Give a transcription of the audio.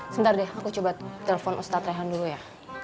sebentar deh aku coba telepon ustadz rehan dulu ya